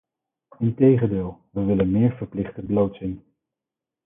Integendeel, we willen meer verplichte beloodsing.